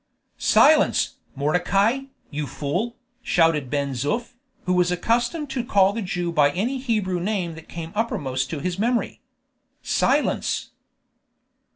"Silence, Mordecai, you fool!" shouted Ben Zoof, who was accustomed to call the Jew by any Hebrew name that came uppermost to his memory. "Silence!"